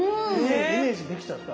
イメージできちゃった。